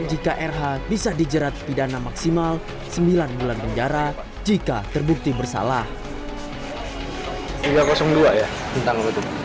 jika rh bisa dijerat pidana maksimal sembilan bulan penjara jika terbukti bersalah tiga ratus dua ya tentang